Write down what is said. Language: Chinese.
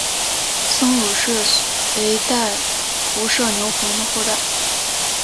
僧孺是隋代仆射牛弘的后代。